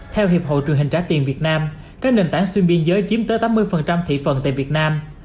theo hiệp hội truyền hình trả tiền việt nam các nền tảng xuyên biên giới chiếm tới tám mươi thị phần tại việt nam